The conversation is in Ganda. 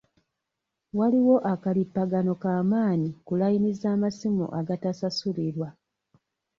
Waliwo akalippagano k'amaanyi ku layini z'amasimu agatasasulirwa.